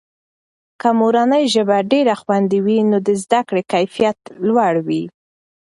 که مورنۍ ژبه ډېره خوندي وي، نو د زده کړې کیفیته لوړه وي.